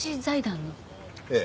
ええ。